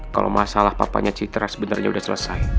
setelah papanya citra sebenernya udah selesai